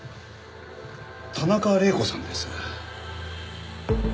田中玲子さんです。